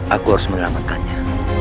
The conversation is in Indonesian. aku harus mengelamatkannya